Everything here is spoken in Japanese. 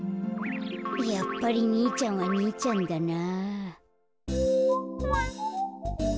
やっぱりにいちゃんはにいちゃんだな。